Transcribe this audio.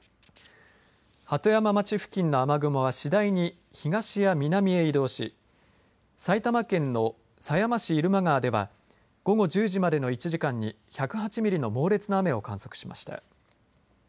鳩山町付近の雨雲は次第に東や南へ移動し埼玉県の狭山市入間川では午後１０時までの１時間に１０８ミリの猛烈な雨を観測しました。